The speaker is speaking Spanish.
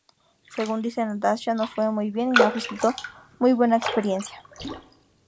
Según dice Natasha: "Nos fue muy bien y nos resultó una buena experiencia.